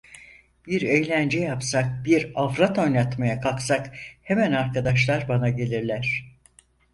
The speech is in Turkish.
Bir eğlence yapsak, bir avrat oynatmaya kalksak hemen arkadaşlar bana gelirler.